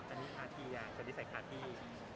อันนี้คาที่อ่ะอันนี้ใส่คาที่